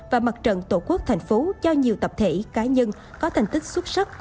và mặt trận tổ quốc thành phố cho nhiều tập thể cá nhân có thành tích xuất sắc